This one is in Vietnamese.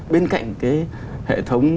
bên cạnh cái hệ thống